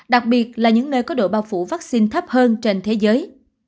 đặc biệt là những nơi có độ bao phủ vaccine thấp hơn trên thế giới